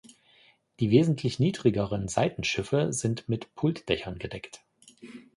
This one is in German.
Die wesentlich niedrigeren Seitenschiffe sind mit Pultdächern gedeckt.